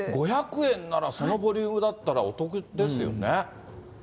５００円なら、そのボリュームだったら、お得ですよね。